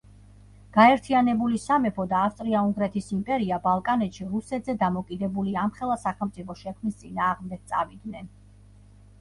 გაერთიანებული სამეფო და ავსტრია-უნგრეთის იმპერია ბალკანეთში რუსეთზე დამოკიდებული ამხელა სახელმწიფოს შექმნის წინააღმდეგ წავიდნენ.